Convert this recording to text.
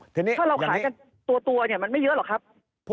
ถ้าเราขายกันตัวมันไม่เยอะหรอกครับอย่างนี้